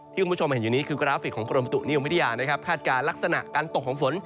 คุณผู้ชมเห็นอยู่นี้คือกราฟิกของกรมประตุนิยมวิทยานะครับคาดการณ์ลักษณะการตกของฝน